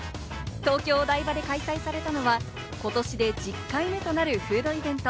東京・お台場で開催されたのは今年で１０回目となるフードイベント